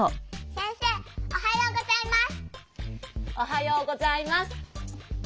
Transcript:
せんせいおはようございます。